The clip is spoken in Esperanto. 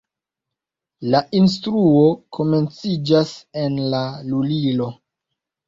La instruo komenciĝas en la lulilo.